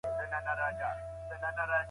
دوهم شرط اسلام دی.